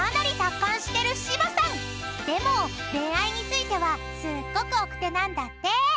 ［でも恋愛についてはすっごく奥手なんだって］